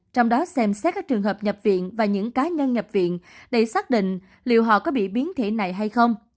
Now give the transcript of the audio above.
trong đó xem xét các trường hợp nhập viện và những cá nhân nhập viện để xác định liệu họ có bị biến thể này hay không